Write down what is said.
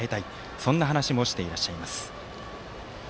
そんな話もしていらっしゃいます。